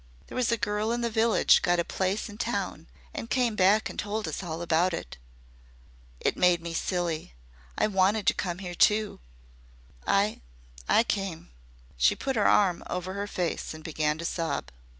There was a girl in the village got a place in town and came back and told us all about it. It made me silly. I wanted to come here, too. I I came " She put her arm over her face and began to sob.